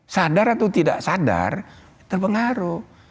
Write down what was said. sadar atau tidak sadar terpengaruh